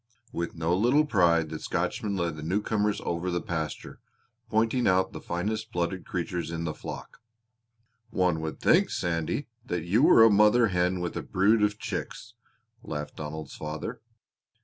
With no little pride the Scotchman led the newcomers over the pasture, pointing out the finest blooded creatures in the flock. "One would think, Sandy, that you were a mother hen with a brood of chicks!" laughed Donald's father.